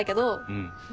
うん。